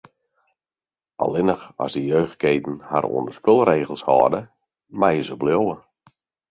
Allinnich as de jeugdketen har oan de spulregels hâlde, meie se bliuwe.